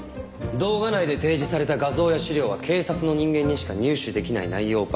動画内で提示された画像や資料は警察の人間にしか入手できない内容ばかりです。